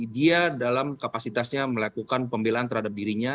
dia dalam kapasitasnya melakukan pembelaan terhadap dirinya